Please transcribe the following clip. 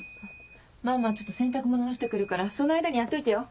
ママちょっと洗濯物干して来るからその間にやっといてよ。